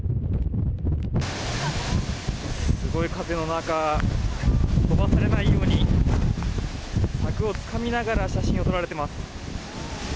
すごい風の中飛ばされないように柵をつかみながら写真を撮られています。